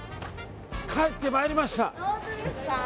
帰ってまいりました。